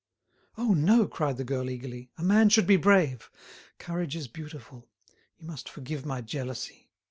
"Oh, no!" cried the girl eagerly. "A man should be brave! Courage is beautiful! You must forgive my jealousy.